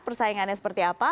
persaingannya seperti apa